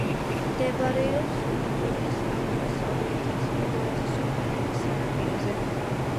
მდებარეობს კუნძულის აღმოსავლეთით, ინდოეთის ოკეანის სანაპიროზე.